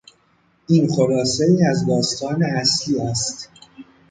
این خلاصهای از داستان اصلی است.